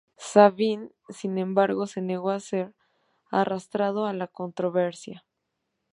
Sabine, sin embargo, se negó a ser arrastrado a la controversia.